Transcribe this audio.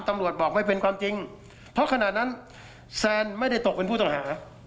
ตำรวจบอกไม่เป็นความจริงเพราะขณะนั้นแซนไม่ได้ตกเป็นผู้ต้องหา